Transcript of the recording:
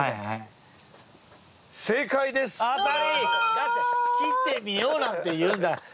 だって切ってみようなんて言うんだから。